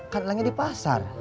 katelannya di pasar